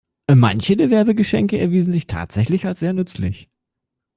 Manche der Werbegeschenke erwiesen sich tatsächlich als sehr nützlich.